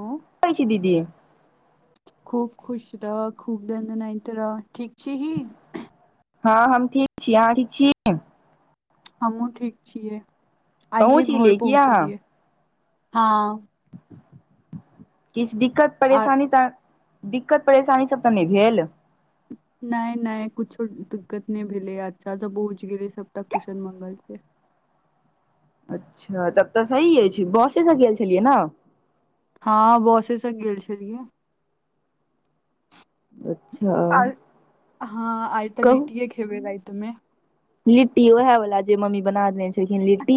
ओ। दीदी। खूब खुश रह खूब दन्दना इतऽ रह ठीक छै। हँ हम ठीक छी अहाँ ठीक छै। हमहुँ ठीक छियै आइये पहुँच घर गेलियै की अहाँ पहुँचलियै हँ किछु दिक्कत आर परेशानी तऽ दिक्कत परेशानी सब तऽ नहि भेल नहि नहि कुछो दिक्कत नहि भेलै अच्छा से पहुँच गेले सबटा कुशल मंगल से अच्छा तब तऽ सही अछि बोसेसँ गेल छलियै ने हँ बोसे स गेल छेलियै अच्छा आइ हँ आइ तऽ कहू लिट्टीए खेबै रातिमे लिट्टी ओएह वाला जे मम्मी बना देने छेलखिन लिट्टी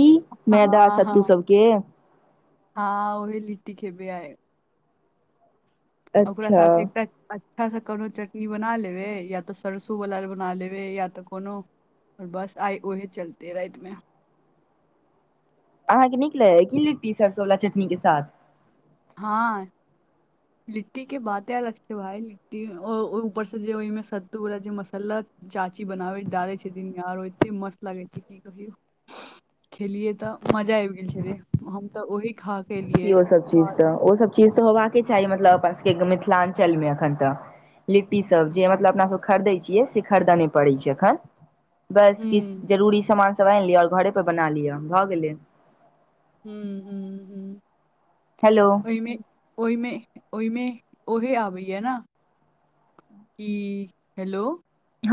मैदा हँ हँ सत्तू सबके हँ ओहे लिट्टी खेबय आय ओकरा अच्छा साथ एकटा अच्छासँ कोनो चटनी बना लेबै या तऽ सरसोवला बना लेबै या तऽ कोनो ओर बस आइ ओहे चलतेै राति मे अहाँके नीक लेगैये कि लिट्टी सरसोवला चटनी के साथ हँ लिट्टी के बाते अलग छै भाय लिट्टी ऊपर से जे ओहिमे सत्तू ओला जे मसाला चाची बनाबै डालै छै जे न यार आरो एते मस्त लागै छै की कहू खेलियै तऽ मजा आबि गेल छेलै हम तऽ ओहि की ओ सब चीज तऽ ओ सब चीज तऽ होबाक चाही मतलब अपन सबके मिथिलाञ्चल मे एखन तऽ लिट्टी सब जे हँ मतलब अपना सब खरीदै छियै से खरीदऽ नहि पड़ै छै एखन बस हूँ किछु जरूरी सामान सब आनि लिअ आओर घरे पर बना लिअ भऽ गेलै हूंम्म हूंम्म हूंम्म हेलो ओहिमे ओहिमे ओहिमे ओहे आबैये न की हेलो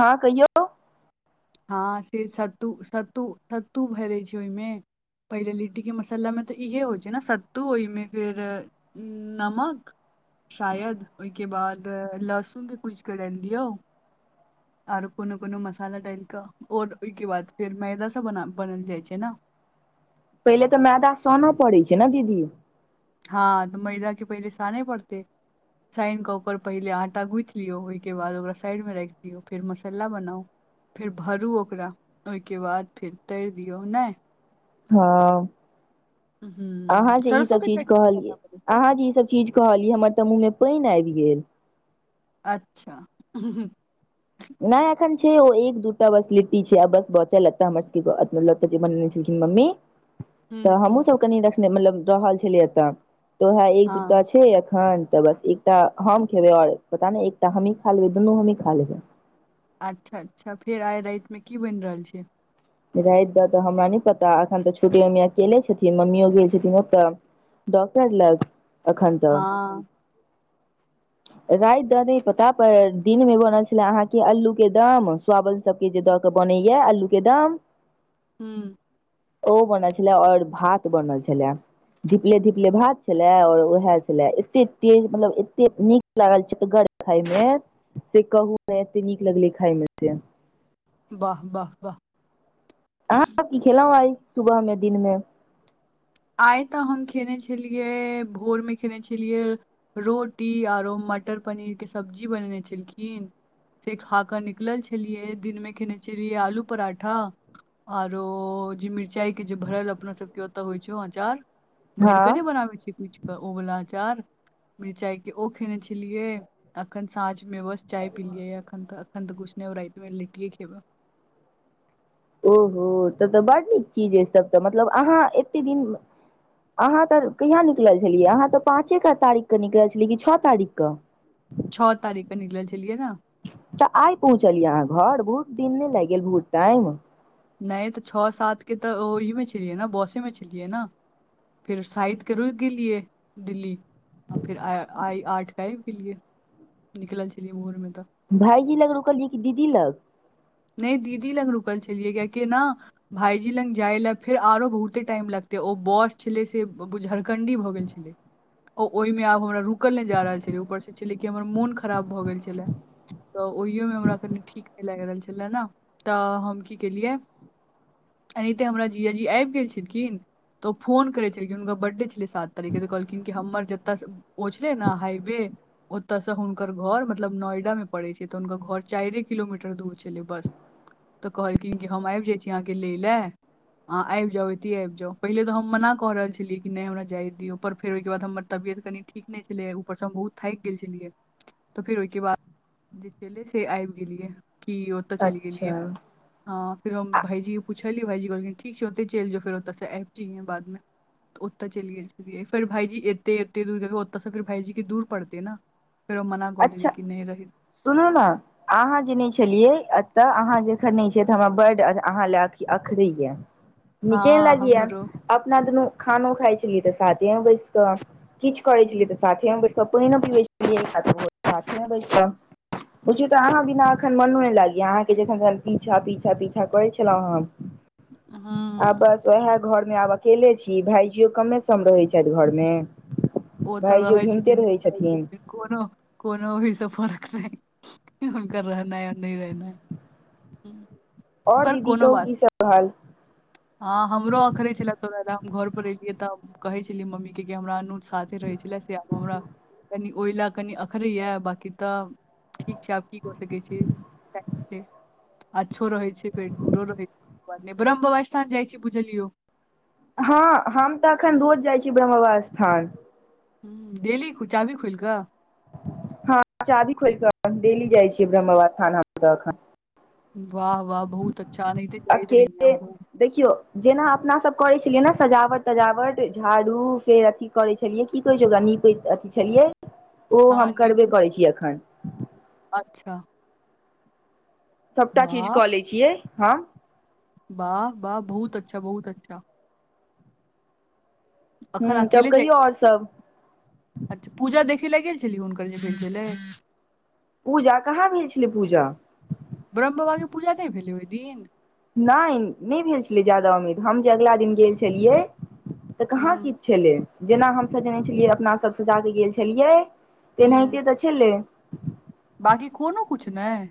हँ कहियौ हँ से सत्तू सत्तू सत्तू भरै छै ओहिमे पहिले लिट्टीके मसालामे तऽ इएहे होइ छै ने सत्तू ओहिमे फेर नमक शायद ओहिके बाद लहसुन के कुचिके डालि दियौ आरो कोनो कोनो मसाला डालि कऽ और ओहिके बाद फेर मैदा सब बनल जाइ छै ने पहिले तऽ मैदा सोनो पड़ैत छै ने दीदी हँ तऽ मैदा के पहिले सानै पड़तै सानि कऽ ओकर पहिले आँटा गुथि लियौ ओहिके बाद ओकरा साइडमे राखि दियौ फेर मसाला बनाउ फेर भरू ओकरा ओहिके बाद फेर तरि दियौ नहि हँ अहाँ हूँ जे ई सरसो सब के चीज चटनी करऽ कहलियै पड़ै छै अहाँ जे ई सब चीज कहलियै हमर तऽ मुँह मे पानि आबि गेल अच्छा नहि एखन छै ओ एक दूटा बस लिट्टी छै आ बस बचल एकत हमर सबके मतलब जे बनेने छेलखिन मम्मी तऽ हूँ हूँ हमहुँसभ कनि रखने मतलब रहल छलियै एतऽ तऽ वएह एक दूटा हँ छै एखन तऽ बस एक तऽ हम खेबै आओर पता नहि एकटा हमहीं खा लेबै दुनू हमहीं खा लेबै अच्छा अच्छा फेर आइ राति मे की बनि रहल छै राति द तऽ हमरा नहि पता एखन तऽ छोटी मम्मी अकेले छथिन मम्मी यो गेल छथिन ओतऽ डॉक्टर लग एखन तऽ हँ [inaudible] राति दऽ द नाए पता पर दिन मे बनल छलै अहाँके अल्लू के दम सवन सब के जे दऽ के बनाए आलू के दम [unintelligible] ओहो बनल छलै और भात बनल छलै धीपले धीपले भात छले और उएह छले एते तेज मतलब एते नीक लागल छै जलगर खाए मे से कहु ने एते नीक लगले खाए मे से वाह वाह वाह अहाँ की खेलौं आए सुबह में दिन में आए तऽ हम खेने छलियै भोर में खेने छलियै रोटी और मटर पनीर के सब्जी बनेने छलखिन से खा क निकलल छलियै दिन मे खेने छलियै आलू पराठा आरो जे मिरचाई के जे भरल अपना सब के ओत होय छै अचार [inaudible] भर क हँ नहि बनाबे छी कुछ तऽ ओ वाला अचार मिरचाइके ओ खयने छलियै अखन साँझ में बस चाय पिलियै अखन त अखन तऽ कुछ नहि राति मे लिटीए खेबै ओहो तब तऽ बड़ नीक चीज तब तऽ मतलब अहाँ एते दिन अहाँ तऽ कहिया निकलल छलियै अहाँ तऽ पाँच क तारीख के निकल छलियै कि छः तारीख क छः तारीख के निकलल छलियै ने तऽ आइ पहुँचलियै अहाँ घर बहुत दिन नहि लागि गेल बहुत टाइम नहि तऽ छः सात के तऽ ओहिमे छलियै ने बसे में छलियै ने फेर साइत रुक गेल लियए दिल्ली आ फिर आ आए आठ क आब गेलिए निकल छलिए भोर मे तऽ भाईजी लग रुकलियै कि दीदी लग नहि दीदी लग रुकल छललिए किया की न भायजी लग जाएल फेर आरो बहुते टाइम लगतै ओ बस छलै से झरखण्डी भऽ गेल छलै ओ ओहिमे आब हमरा रुकल नहि जा रहल छलै ऊपर से छलै कि हमर मोन खराब भऽ गेल छलै तऽ ओहिओमे हमरा कनि ठीक नहि लागि रहल छलय ने तऽ हम की केलियै एनाहिते हमरा जीजा जी आबि गेल छलखिन त ओ फोन करैत छल कि हुनका बर्थडे छलै सात तारीख के त कहलखिन कि हमर जतय ओ छैले न हावे ओत स हुनकर घर मतलब नोएडा मे पड़े छै त हुनकर घर चारे किलोमीटर दूर छै [inaudible] बस त कहलखिन कि हम आबि जाइ छी अहाँके लै ल अहाँ आबि जाउ एतहि आबि जाउ पहिले त हम मना क रहल छलियै कि नहि हमरा जाय दियौ पर फेर ओ क बाद हमर तबियत कनि ठीक नहि छलै ऊपर सँ हम बहुत थाइक गेल छलियै त फेर ओहिके बाद [inaudible] जे छैे से आबि गेलियै की ओते चल गेलियै अच्छा [inaudible] हँ फेर हम भाइजी के पुछलीय भाइजी कहलिन ठीक छै ओते चलि जो फेर ओतय से आब जेयहे बाद मे ओत चलि गेल छेलिए फेर भाइजी एते एते दूर ओत सँ फेर भाइजी के दूर पड़ते ने फेर ओ मना क देलिये कि न रही सुन ना अहाँ जे नहि छलियै एतय अहाँ जखन नहि छियै तऽ हमरा बड अहाँ लए अ अखरैयए [inaudible] निकै नय लागियए हमरो आब अपना दुनू खानो खाइ छलियै तऽ साथे में बैस क किछु करे छलियै हूँ तऽ साथे में बैस पायनो पिबो छलये साथे म बैस कय पुछु त अहाँ बिना एखन मनो नहि लागेय अहाँके जखन पीछा पीछा पीछा करै छलहुँ हम आब बस ओहेय घर मे आब अकेले छी भाायजियो कमे सम रहै छै घर मे ओ तऽ भाइ जियो रहै छथिन घुमिते नहि रहै छथिन कोनो कोनो भी फर्क नहि हुनका रहना और न रहना हूँ और दीदी कहूँ की सब भय रहल हँ हमरो अखरे छले तो हम घर पर एलियै त कहै छलियै मम्मी के कि हमरा अनू साथे रहै छलै से आब हमरा कनि ओयला कनि अखरे य बाकि त ठीक छै आब की करे के छिये अच्छो रहै छै फेट बूरो रहै छै ब्रह्म बाबा स्थान जाइ छी बुझलियो हँ हम त एखन रोज जाइ छी ब्रह्म बाबा स्थान डेली चाभी खुलि क हँ चाभी खोलि क डेली जाइ छियै ब्रह्म बाबा स्थान हम त एखन वाह वाह बहुत अच्छा अनहेते जायत रहिऐ अकेले हमहू देखियौ जेना अपना सब करै छलियै ने सजावट तजावट झाड़ू फेर अथी करै छलियै की कहै छै ओकरा नीपे अथी छलियै ओ हँ हम करबे नीपु करै छियै एखन अच्छा सभटा चीज वाह क लै छियै हम वाह वाह बहुत अच्छा बहुत अच्छा अखन हूँ अकेले तब जाए कहियौ आओर छिये सब अच्छा पूजा देखय लए गेल छलिय हुनकर जे भेल रहय पूजा कहाँ भेल छलै पूजा ब्रह्म बाबाके पूजा नहि भेलै ओहि दिन नहि नहि भेल छलै ज्यादा उम्मीद हम जे अगला दिन गेल छलियै त हूँ कहाँ किछ छलै जेना हम सजनै छलियै अपना सभ सजा क गेल छलियै हूँ तहनायते त छलय बाकी कोनो कुछ नय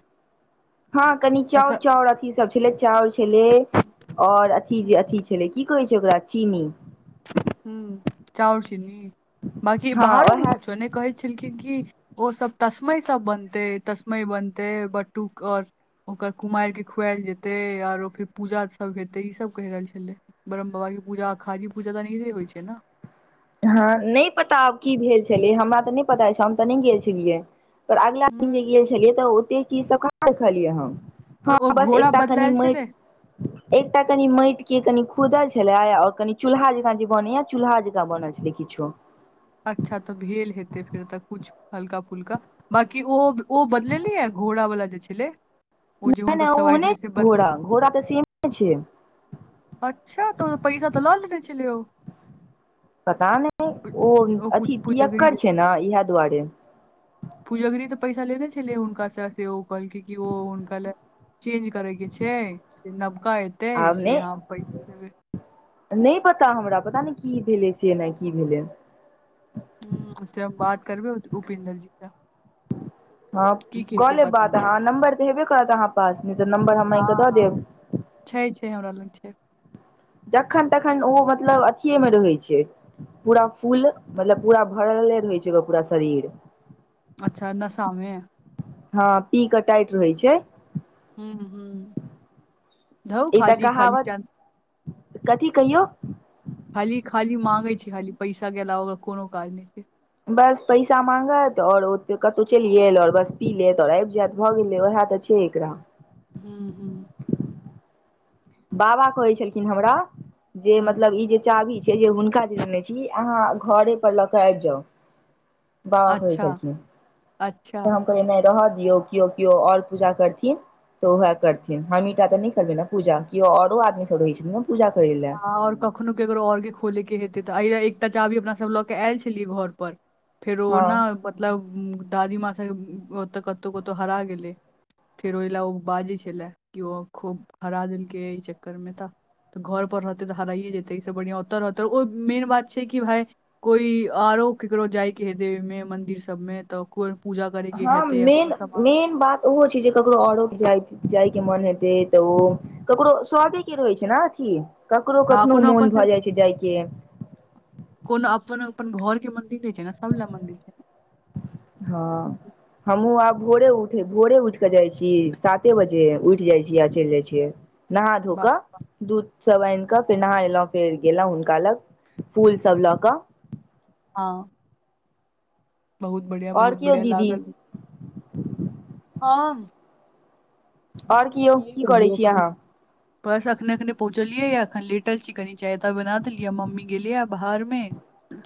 हँ कनि चाउर चाउर अथी सब छलै चाउर छलै ओर अथी जे अथी छलय की कहै छै ओकरा चीनी हू चउर चीनी बाकी हँ बाहर ओएह मे कुछो ने कहै छलखिन की ओसभ तस्मै सब बनतै तस्मै बनतै बटूक ओर ओकर कुमारि के खुआएल जेते आरो फेर पूजा सब हेते ई सब कहि रहल छलय ब्रह्म बाबा के पूजा खाली पूजा तऽ हमहरे होई छै नऽ हाँ नहि पता आब की भेल छलै हमरा तऽ नहि पता हम तऽ नहि गेल छलियै फेर अगिला दिन जे हम्म गेल छलियै तऽ ओते चीच कहा देखलीए हम और ओ हाँ बस घोड़ा एकटा खनि बदलायल मैट छलै एकटा कनि माटि के कनि खुदल छल और कनी चूलहा जकांँ जे बनेया चूल्हा जकाँ बनल छल से किछो अच्छा तऽ भेल हेतै फेर तऽ कुछ हल्का फुल्का बाकी ओ ओ बदलेली हे घोड़ा वाला जे छलैय ने ने ओहने छै घोड़ा घोड़ा तऽ सेमे छै अच्छा तोहर पैसा तऽ लऽ लेने छले ओ पता नहि ओ पू- अथी पूजगरी जे पियकर छै ने इहा दुआरे पुजगरी त पैसा लेने छलै हुनका सँ से ओ कहलकै कि ओ हुनका लए चेंज करय के छै से नवका एतै आब से नहि हम नहि पता हमरा पता नहि की भेलै से नहि की भेलै उ से हम बात करबे उपेन्दर जी क हाँ कऽ लेब पता बात नहि अहाँ नम्बर तऽ हेबे करत अहाँ पास तऽ नम्बर हम मैंग हँ क दऽ हँ देब छै छै हमरा लग छै जखन तखन ओ मतलब अथिए मे रहै छै पूरा फूल मतलब पूरा भरले रहै छै ओकर पूरा शरीर अच्छा नशा मे हाँ पी कऽ टाइट रहै छै हू हू ई तऽ कहावत चन्द कथी कहियौ खाली खाली मांगे छे खाली पैसा के अलावा ओ कोनो काज नहि छै बस पैसा मांगत और ओ कतो चलि गेल और बस पी लेत और आएब जायत बस उएह तऽ छै ठीक रह हू हू बाबा कहै छलखिन हमरा जे हूँ मतलब ई जे चाभी छै जे हुनका देने छी अहाँ घरे पर लऽ के आबि जाउ बाबा कहै अच्छा छलखिन अच्छा तऽ हम कहिय नहि रहऽ दियौ किओ किओ और पूजा करथिन तऽ उएह करथिन हम ईटा तऽ नहि करबै ने पूजा किओ ओरो आदमी सभ रहैत छै ने पूजा करे ला आ और कखनो ककरो और के खोलेके हेतै तऽ एहि एकटा चाभी अपना सभ लऽ कऽ आयल छलियै घर पर फेरो हँ ओना मतलब दादी माँ सब ओतऽ कतौ कतौ हरा गेलै फेर ओहि लए ओ बाजै छले कि ओ खूब हरा देलकै एहि चक्कर मे तऽ तऽ घर पर रहतै तऽ हराइए जेतै एहि से बढ़िआँ ओतय रहतै ओ मेन बात छै कि भाय कोई आरो केकरो जाइके हेतय देवी मे मंदिर सब मे तऽ कोय पूजा करै के हँ हेतै या मेन कोनो सामान मेन बात ओहो छै जे ककरो औरो जाय जाय के मोन हेतै तऽ ओ ककरो स्वादे के रहै छै ने अथी ककरो हँ कखनो कोनो अपन मौन से भऽ जाइत छै जाय के कोनो अपन अपन घर के मंदिर नहि छै ने सब ले मंदिर छै न हाँ हमहूँ आब भोरे उठे भोरे उठ क के जाई छी साते बजे उठ जाई छी आ चलि जाई छियै नहा धो वाह कऽ दूध सब आइन कऽ फेर नहा एलहुं फेर गेलों हुनका लग फूल सब लऽ कऽ हं बहुत बढ़ियाँ आओर बहुत कियौ बढ़ियाँ दीदी लागल हंन आओर हम तऽ कियौ कए की करै कहियौ छी अखन अहाँ बस अखने अखने पहुँचलियै या अखन लिटल छि कनि चायता बना देलियै मम्मी गेलियै बाहर मे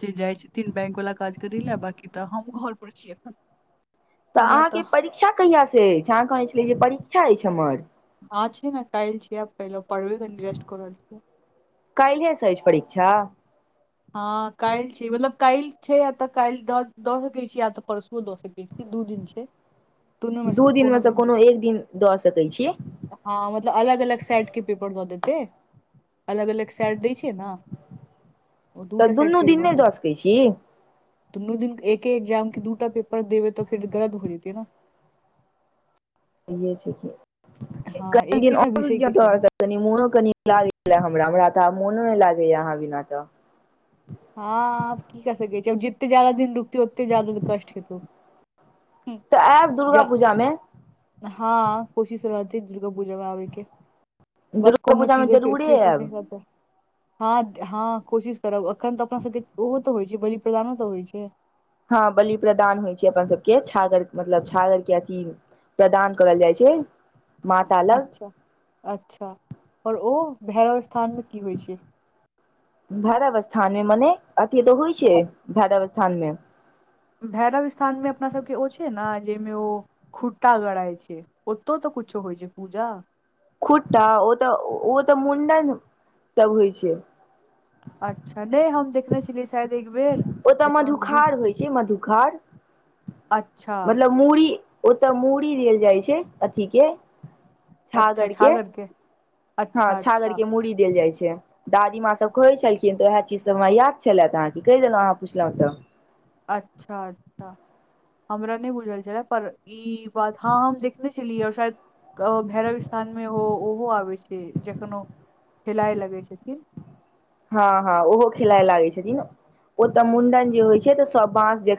जे जाइ छैथिन बैंक वालला काज करै लए बकी तऽ हम घर पर छी एखन तऽ अहाँके परीक्षा कहियासँ अछि अहाँ कहने छलै जे परीक्षा अछि हमर ह छै ने कैल छिय पहिल परबे [unintelligible] कायले सऽ ये परीक्षा हँ काल्हि छी मतलब काल्हि छै य तऽ काल्हि दऽ सकै छी य तऽ परसु दऽ सकैत छी दू दिन छै दुनू मे दू दिनमे सँ दिन कोनो एक दिन दऽ सकै छीए हँ मतलब अलग अलग सैट कऽ पेपर दऽ देतै अलग अलग सेट दै छियै नऽ तऽ दुन्नू दिन नहि दऽ सकै छी दुनू दिन एके एग्जाम के दूटा पेपर देबै त फिर गलत हो जेतीै नऽ सहिए छै की हँ कंपनी दिन एकेटा और विषय के छै रूक न कनि मोनो कनि लागै हमरा हमरा तऽ मोनो नहि लागैया अहाँ बिना तऽ हाँ की कर सकै छिय जितते ज्यादा दिन रुकते ओते ज्यादा कष्ट हेतौ तऽ आयब दुर्गा पूजा मऽ हाँ कोशिश रहती दुर्गा पूजा में आबैय के बस दुर्गा कोनो पूजामे चीजो के जरूरे पेपर नहि आयब रहेय हँ हँ कोशिश करब एखन तऽ अपना सबके ओहो तऽ होइ छै बलि प्रदानो तऽ होइ छै हँ बलि प्रदान होइ छै अपन सबके छागर मतलब छागर के अथी प्रदान करल जाइ छै माता लग अच्छा अच्छा आओर ओ भौरब स्थान मे की होइ छै भैरब स्थान मे मने अथी तऽ होइ छै भै- भैरब स्थान मऽ भैरव स्थानमे अपनासभके ओ छै ने जाहिमे ओ खुट्टा गड़इ छै ओतौ तऽ कुछो होइ छै पूजा खुट्टा ओ तऽ ओ तऽ मुंडन सब होइ छै अच्छा नहि हम देखने छलियै शायद एक बेर ओतऽ जेकरा हम भूत मधुखार होइ छै मधुखार अच्छा मतलब मूड़ी ओतय मूड़ी देल जाइ छै अथी के छागर के हँ अच्छा छागर अच्छा के मूड़ी देल जाइ छै दादीमाँ सभ कहै छलखिन तऽ उएह चीजसभ हमरा याद छलथिहाँके कहि देलहुँ अहाँ पुछलहुँ तऽ अच्छा अच्छा हमरा नहि बुझल छले पर ई बात हँ हम देखने छलीए और शायद भैरव स्थान मे ओहो आबै छै जखन ओ खेलाइ लगै छथिन हँ हँ ओहो खेलाए लागे छथिन ओतऽ मुं्डन जे होइ छै तऽ सब बास जे